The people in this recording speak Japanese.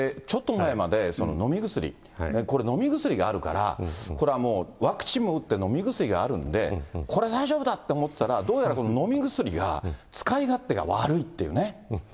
ちょっと前まで飲み薬、これ、飲み薬があるから、これはもう、ワクチンも打って、飲み薬があるんで、これ、大丈夫だって思ってたら、どうやら、この飲み薬が使い勝手が悪いっていうね。